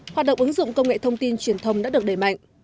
hoạt động ứng dụng công nghệ thông tin truyền thông đã được đẩy mạnh